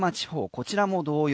こちらも同様。